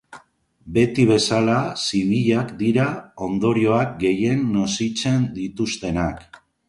Beti bezela, zibilak dira ondorioak gehien nozitzen dituztenak.